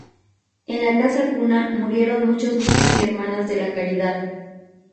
En la Casa Cuna murieron muchos niños y hermanas de la Caridad.